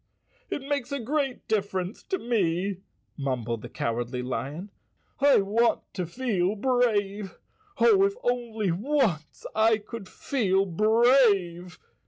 "It makes a great difference to me," mumbled the Cowardly Lion. "I want to feel brave. Oh, if only once I could feel brave!"